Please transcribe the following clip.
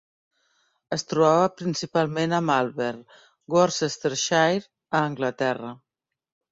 Es trobava principalment a Malvern (Worcestershire), a Anglaterra.